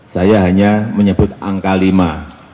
saya hanya menyebut angka lima